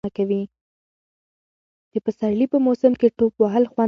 د پسرلي په موسم کې ټوپ وهل خوند لري.